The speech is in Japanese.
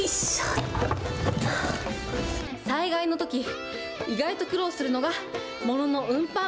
災害のとき、意外と苦労するのが、物の運搬。